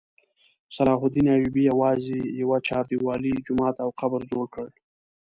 صلاح الدین ایوبي یوازې یوه چاردیوالي، جومات او قبر جوړ کړ.